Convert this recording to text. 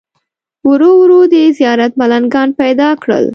ورو ورو دې زیارت ملنګان پیدا کړل.